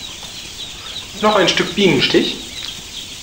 Noch ein Stück Bienenstich?